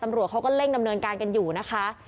ตำรวจเขาก็เร่งดำเนินการกันอยู่นะคะ